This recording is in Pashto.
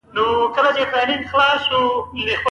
وزې د چاپېریال سوله خوښوي